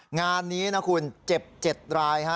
งานนี้นะคุณเจ็บ๗ราย